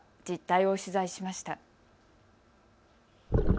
実態を取材しました。